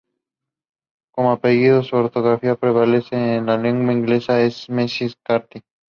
Como apellido, su ortografía prevalente en la lengua inglesa es McCarthy.